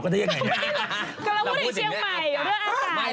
ก็จะพูดให้เชียงหมายอยู่ด้วยอากาศ